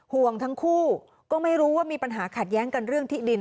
ห่วงทั้งคู่ก็ไม่รู้ว่ามีปัญหาขัดแย้งกันเรื่องที่ดิน